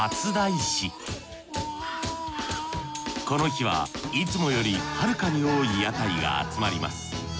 この日はいつもよりはるかに多い屋台が集まります。